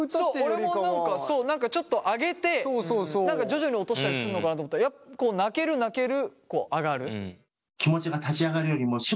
そう俺も何かちょっと上げて徐々に落としたりすんのかなと思ったら泣ける泣ける上がる。